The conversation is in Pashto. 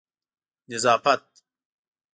نظافت